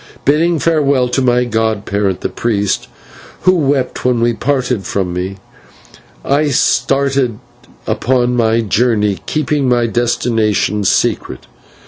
Bidding farewell to my godparent, the priest, who wept when he parted from me, I started upon my journey, keeping my destination secret.